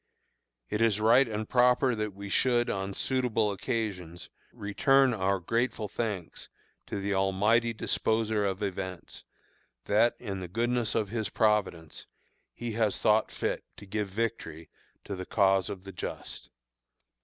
It is right and proper that we should, on suitable occasions, return our grateful thanks to the Almighty Disposer of events, that, in the goodness of His providence, He has thought fit to give victory to the cause of the just.